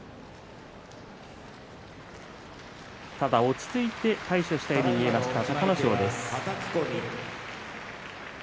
ただ落ち着いて対処しているように見えた隆の勝です。